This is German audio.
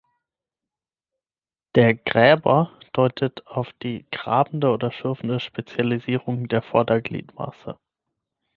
Der „Gräber“ deutet auf die grabende oder schürfende Spezialisierung der Vordergliedmaße.